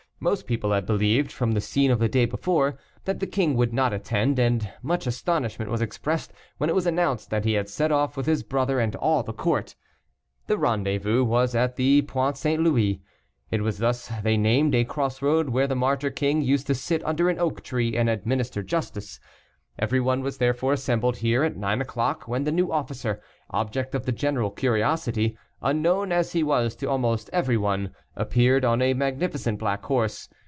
Most people had believed, from the scene of the day before, that the king would not attend, and much astonishment was expressed when it was announced that he had set off with his brother and all the court. The rendezvous was at the Point St. Louis. It was thus they named a cross road where the martyr king used to sit under an oak tree and administer justice. Everyone was therefore assembled here at nine o'clock, when the new officer, object of the general curiosity, unknown as he was to almost everyone, appeared on a magnificent black horse.